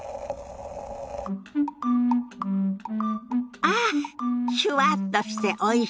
ああっシュワッとしておいし。